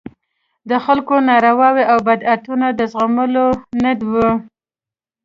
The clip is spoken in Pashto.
د خلکو نارواوې او بدعتونه د زغملو نه وو.